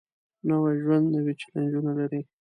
نوی ژوند نوې چیلنجونه لري